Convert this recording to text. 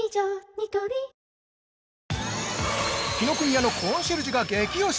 ニトリ◆紀ノ国屋のコンシェルジュが激推し！